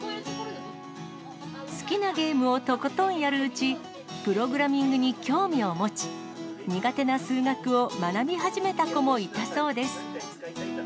好きなゲームをとことんやるうち、プログラミングに興味を持ち、苦手な数学を学び始めた子もいたそうです。